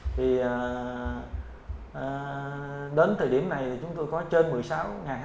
thì đến thời điểm này thì chúng tôi có thể nuôi tôm càng xanh trên vùng đất lúa tôm